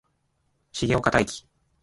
重岡大毅